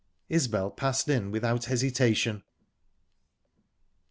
Isbel passed in without hesitation.